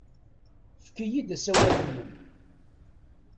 Efk-iyi-d asawal-nnem.